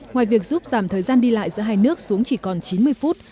ngoài việc giúp giảm thời gian đi lại giữa hai nước xuống chỉ còn chín mươi phút